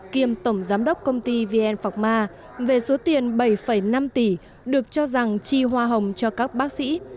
kiêm tổng giám đốc công ty vn phạc ma về số tiền bảy năm tỷ được cho rằng chi hoa hồng cho các bác sĩ